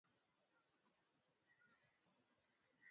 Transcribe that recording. Matangazo yaligeuzwa na kufanywa kipindi